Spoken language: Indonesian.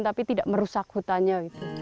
tapi tidak merusak hutannya